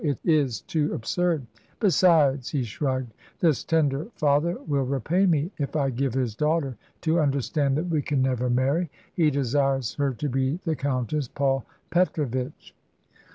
it is too absurd. Besides" he shrugged "this tender father will repay me if I give his daughter to understand that we can never marry. He desires her to be the Countess Paul Petrovitch."